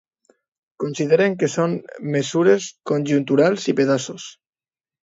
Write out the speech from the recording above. Consideren que són mesures conjunturals i pedaços.